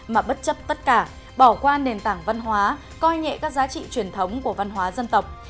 mà bất chấp tất cả bỏ qua nền tảng văn hóa coi nhẹ các giá trị truyền thống của văn hóa dân tộc